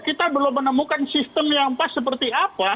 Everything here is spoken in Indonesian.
kita belum menemukan sistem yang pas seperti apa